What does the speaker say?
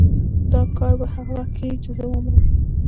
دا کار به هغه وخت کېږي چې زه ومرم.